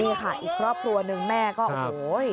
นี่ค่ะอีกครอบครัวหนึ่งแม่ก็โอ้โห